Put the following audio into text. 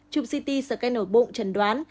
chụp ct scan ổ bụng trần đoán